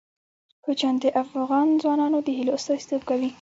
کوچیان د افغان ځوانانو د هیلو استازیتوب کوي.